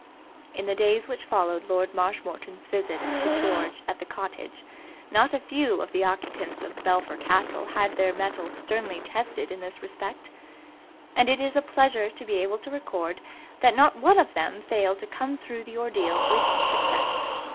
In the days which followed Lord Marshmoreton's visit to George at the cottage, not a few of the occupants of Belpher Castle had their mettle sternly tested in this respect; and it is a pleasure to be able to record that not one of them failed to come through the ordeal with success.